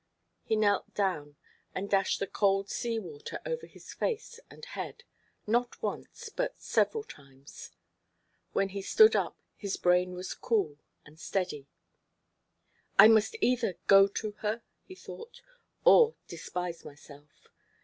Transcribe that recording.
He knelt down, and dashed the cold sea water over his face and head, not once, but several times. When he stood up, his brain was cool and steady. "I must either go to her," he thought, "or despise myself.